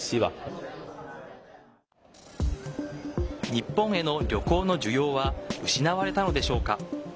日本への旅行の需要は失われたのでしょうか。